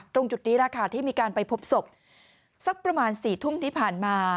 ตรงจุดนี้แหละค่ะที่มีการไปพบศพสักประมาณ๔ทุ่มที่ผ่านมา